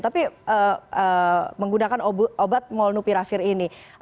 tapi menggunakan obat molnupiravir ini